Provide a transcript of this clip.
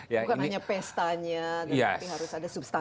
bukan hanya pestanya tapi harus ada substansi